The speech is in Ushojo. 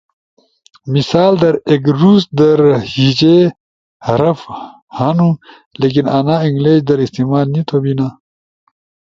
مثال در “ж” ایک روس در ہیجے حرف ہنو لیکن انا انگلش در استعمال نی تھو بینا